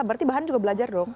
berarti bahan juga belajar dong